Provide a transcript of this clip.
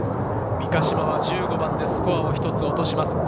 三ヶ島は１５番でスコアを１つ落とします。